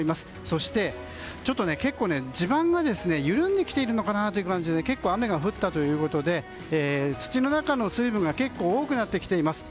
そして、結構地盤が緩んできている感じで結構、雨が降ったということで土の中の水分が結構、多くなってきています。